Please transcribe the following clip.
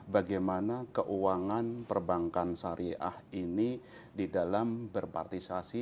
bagaimana keuangan perbankan syariah ini di dalam berpartisasi